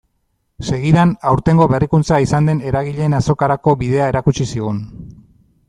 Segidan, aurtengo berrikuntza izan den eragileen azokarako bidea erakutsi zigun.